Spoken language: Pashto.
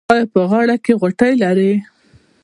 ایا په غاړه کې غوټې لرئ؟